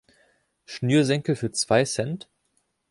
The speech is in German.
Schnürsenkel für zwei Cent?